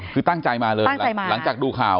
คือตั้งใจมาเลยหลังจากดูข่าว